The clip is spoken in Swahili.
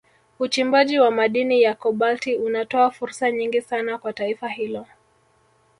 Uchimbaji wa madini ya Kobalti unatoa fursa nyingi sana kwa taifa hilo